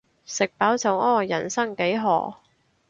食飽就屙，人生幾何